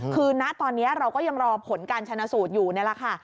คือณตอนนี้เราก็ยังรอผลการชนะสูตรอยู่นี่แหละค่ะ